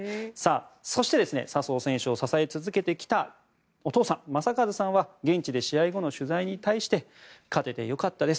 そして笹生選手を支え続けてきたお父さん、正和さんは現地で試合後の取材に対して勝ててよかったです